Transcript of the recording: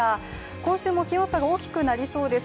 今週も気温差が大きくなりそうです。